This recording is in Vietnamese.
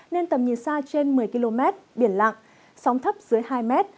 nên tầm nhìn xa trên một mươi km biển lặng sóng thấp dưới hai m